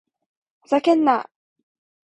ふざけんな！